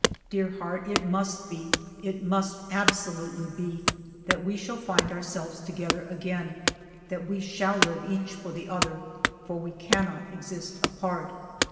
Dear heart ! it must be, it must absolutely be, that we shall find ourselves together ALFRED DREYFUS 31 again, that we shall live each for the other, for we cannot exist apart.